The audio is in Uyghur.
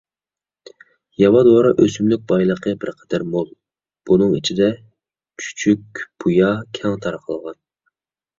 ياۋا دورا ئۆسۈملۈك بايلىقى بىرقەدەر مول، بۇنىڭ ئىچىدە چۈچۈكبۇيا كەڭ تارقالغان.